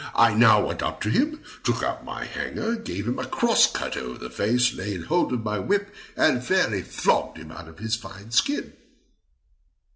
I now went up to him, took out my hanger, gave him a cross cut over the face, laid hold of my whip, and fairly flogged him out of his fine skin.